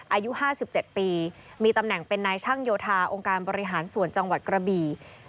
อายุ๕๗ปีมีตำแหน่งเป็นนายช่างโยธาองค์การบริหารส่วนจังหวัดกระบี่